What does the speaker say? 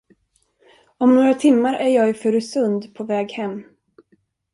Om några timmar är jag i Furusund på väg hem.